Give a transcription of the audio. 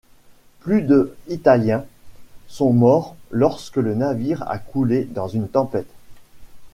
Plus de Italiens sont morts lorsque le navire a coulé dans une tempête.